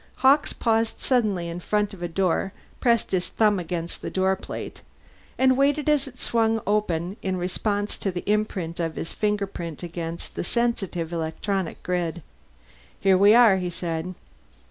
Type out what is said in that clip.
Hawkes paused suddenly in front of a door, pressed his thumb against the doorplate, and waited as it swung open in response to the imprint of his fingerprints against the sensitive electronic grid. "Here we are," he said.